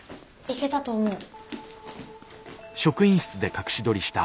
いけたと思う。